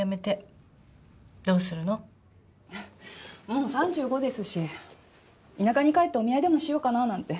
もう３５ですし田舎に帰ってお見合いでもしようかななんて。